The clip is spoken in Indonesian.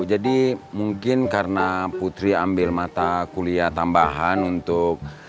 jadi mungkin karena putri ambil mata kuliah tambahan untuk